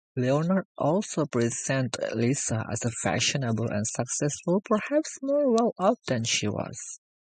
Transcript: Leonardo also presented Lisa as fashionable and successful, perhaps more well-off than she was.